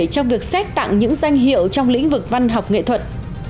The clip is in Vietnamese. trong việc xét tặng những danh hiệu trong lĩnh vực văn học nghệ thuật